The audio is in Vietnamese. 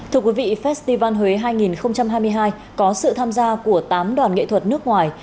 thưa quý vị festival huế hai nghìn hai mươi hai có sự tham gia của tám đoàn nghệ thuật nước ngoài